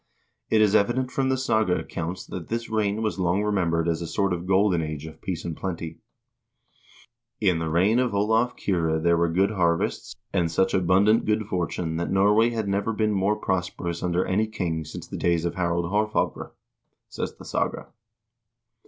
It is evident from the saga accounts that this reign was long remembered as a sort of golden age of peace and plenty. " In the reign of Olav Kyrre there were good harvests and such abundant good fortune that Norway had never been more prosperous under any king since the days of Harald Haarfagre," says the saga.